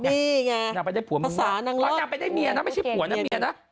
นี่ไงนางไปได้ผัวเมียแล้วนางไปได้เมียนะไม่ใช่ผัวนะเมียนะ